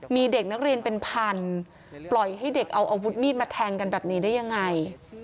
มีเด็กนักเรียนเป็นพันปล่อยให้เด็กเอาอาวุธมีดมาแทงกันแบบนี้ได้ยังไง